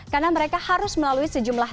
karena mereka harus melalui sejumlah hal